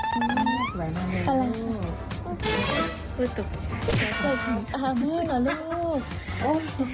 สวยมากเลยลูก